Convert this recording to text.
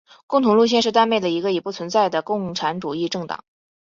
共同路线是丹麦的一个已不存在的共产主义政党。